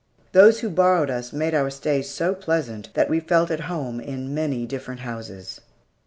Those who borrowed us made our stays so pleasant that we felt at home in many different houses.